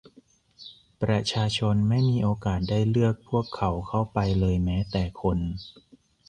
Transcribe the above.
ประชาชนไม่มีโอกาสได้เลือกพวกเขาเข้าไปเลยแม้แต่คน